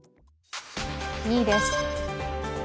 ２位です。